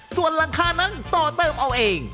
ส่วนหลังคานั้นต่อเติมเอาเอง